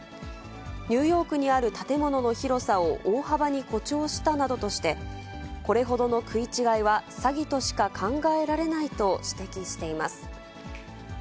ニューヨークにある建物の広さを大幅に誇張したなどとして、これほどの食い違いは詐欺としか考えられないと指摘しています。